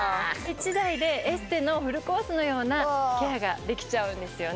１台でエステのフルコースのようなケアができちゃうんですよね。